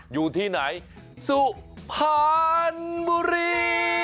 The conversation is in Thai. อยู่ที่ไหนสุพรรณบุรี